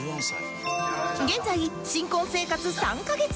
現在新婚生活３カ月